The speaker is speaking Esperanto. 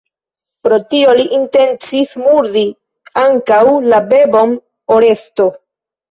Pro tio li intencis murdi ankaŭ la bebon Oresto.